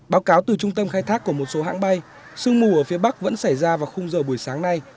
báo cáo từ trung tâm khai thác của một số hãng bay sương mù ở phía bắc vẫn xảy ra vào khung giờ buổi sáng nay